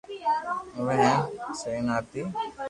اُو وي ھين س نا ا تي